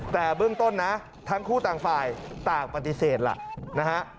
แต่เบื้องต้นนะทั้งคู่ต่างฝ่ายต่างปฏิเสธล่ะนะฮะ